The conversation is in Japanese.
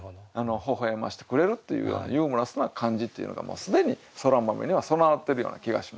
ほほ笑ましてくれるっていうようなユーモラスな感じっていうのが既にそら豆には備わってるような気がしますね。